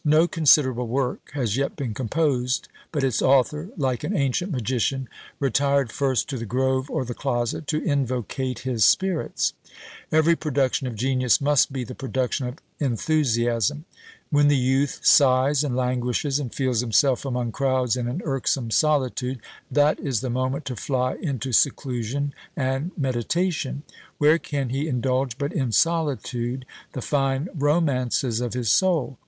No considerable work has yet been composed, but its author, like an ancient magician, retired first to the grove or the closet, to invocate his spirits. Every production of genius must be the production of enthusiasm. When the youth sighs and languishes, and feels himself among crowds in an irksome solitude, that is the moment to fly into seclusion and meditation. Where can he indulge but in solitude the fine romances of his soul?